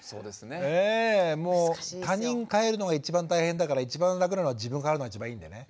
ええもう他人変えるのが一番大変だから一番楽なのは自分変わるのが一番いいんでね。